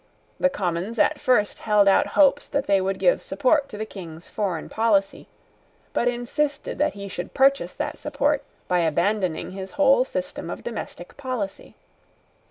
The Commons at first held out hopes that they would give support to the king's foreign policy, but insisted that he should purchase that support by abandoning his whole system of domestic policy.